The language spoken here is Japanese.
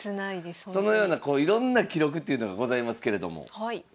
そのようなこういろんな記録っていうのがございますけれども。